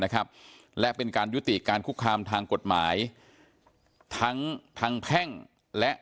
นะครับและเป็นการยุติการคุกคามทางกฎหมายทั้งทางแพ่งและ